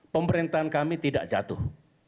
pemerintahan kami tidak jatuh